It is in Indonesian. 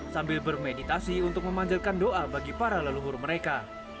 sambil bermeditasi untuk memanjatkan doa bagi para leluhur mereka